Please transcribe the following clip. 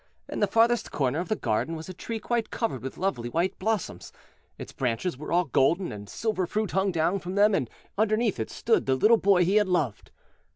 In the farthest corner of the garden was a tree quite covered with lovely white blossoms. Its branches were all golden, and silver fruit hung down from them, and underneath it stood the little boy he had loved.